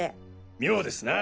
妙ですな。